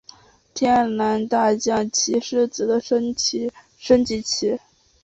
天竺大将棋狮子的升级棋。